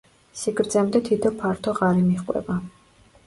სიგრძემდე თითო ფართო ღარი მიჰყვება.